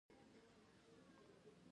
غږ په اوبو کې تر هوا تېز دی.